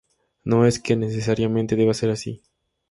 No es que necesariamente deba ser así".